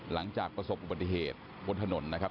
หลังจากประสบอุบัติเหตุบนถนนนะครับ